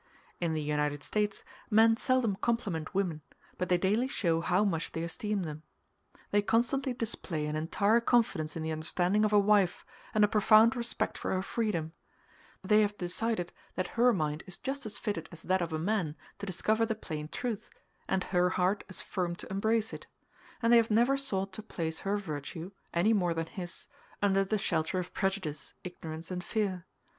In the United States men seldom compliment women, but they daily show how much they esteem them. They constantly display an entire confidence in the understanding of a wife, and a profound respect for her freedom; they have decided that her mind is just as fitted as that of a man to discover the plain truth, and her heart as firm to embrace it; and they have never sought to place her virtue, any more than his, under the shelter of prejudice, ignorance, and fear.